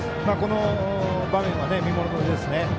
この場面は見ものですね。